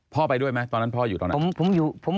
ไปด้วยไหมตอนนั้นพ่ออยู่ตอนนั้น